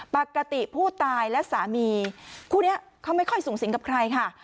ปกติผู้ตายและสามีคู่นี้เขาไม่ค่อยสูงสิงกับใครค่ะ